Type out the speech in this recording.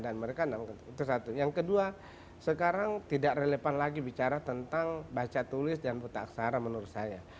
dan mereka tidak mengerti itu satu yang kedua sekarang tidak relevan lagi bicara tentang baca tulis dan buta aksara menurut saya